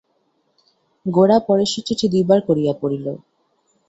গোরা পরেশের চিঠি দুইবার করিয়া পড়িল।